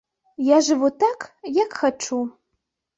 Я жыву так, як хачу.